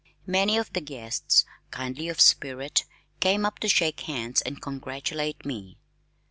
Many of the guests (kindly of spirit) came up to shake hands and congratulate me.